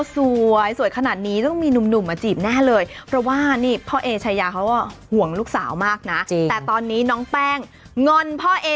ใส่งานต่างคนต่างงอน